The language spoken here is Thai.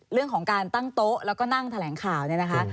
เรื่องของการตั้งโต๊ะแล้วก็นั่งแถลงข่าวเนี่ยนะคะ